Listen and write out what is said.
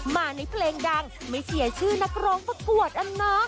มาในเพลงดังไม่เชียร์ชื่อนักร้องประกวดนะ